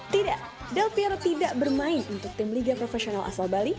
tidak delvira tidak bermain untuk tim liga profesional asal bali